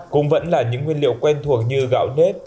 cũng vẫn là những nguyên liệu quen thuộc như gạo nếp